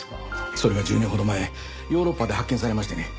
それが１０年ほど前ヨーロッパで発見されましてね。